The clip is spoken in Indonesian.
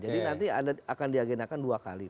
jadi nanti akan diagenakan dua kali